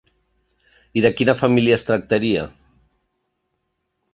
I de quina família es tractaria?